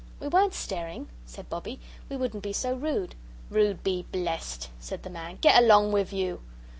"We weren't staring," said Bobbie; "we wouldn't be so rude." "Rude be blessed," said the man; "get along with you!"